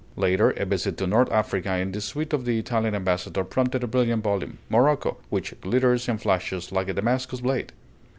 Later, a visit to North Africa in the suite of the Italian ambassador prompted a brilliant volume, "Morocco," "which glitters and flashes like a Damascus blade."